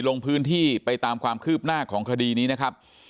ลงพื้นที่ไปตามความคืบหน้าของคดีนี้นะครับ